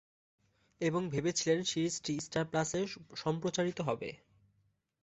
এবং ভেবেছিলেন সিরিজটি স্টার প্লাসে সম্প্রচারিত হবে।